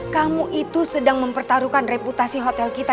kamu itu sedang mempertaruhkan reputasi hotel kita